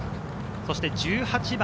そして１８番。